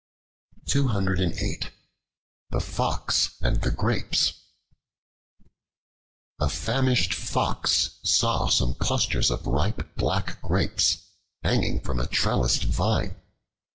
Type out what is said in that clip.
The Fox and the Grapes A FAMISHED FOX saw some clusters of ripe black grapes hanging from a trellised vine.